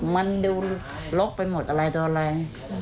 มันดูลกไปหมดอะไรตัวแรง